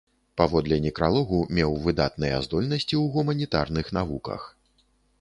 Паводле некралогу меў выдатныя здольнасці ў гуманітарных навуках.